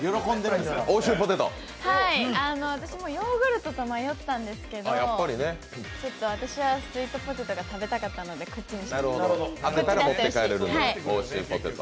ヨーグルトと迷ったんですけど、私はスイートポテトが食べたかったのでこっちにしました。